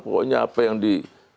pokoknya apa yang di